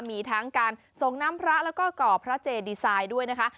มีทั้งการส่งน้ำพระแล้วก็ก่อพระเจดีไซน์ด้วยนะคะ